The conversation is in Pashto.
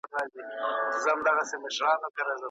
د ماشوم، ليوني او کمعقل منځګړيتوب جواز نلري.